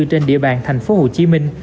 trên địa bàn thành phố hồ chí minh